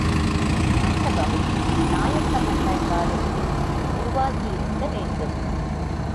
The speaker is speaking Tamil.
மண்டபம் நாயக்க மன்னர் காலத்தில் உருவாகியிருக்க வேண்டும்.